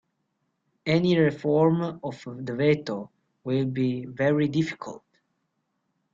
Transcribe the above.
Any reform of the veto will be very difficult.